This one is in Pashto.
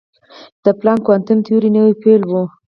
د پلانک کوانټم تیوري نوې پیل وه.